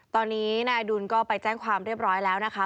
ตอนนี้นายอดุลก็ไปแจ้งความเรียบร้อยแล้วนะคะ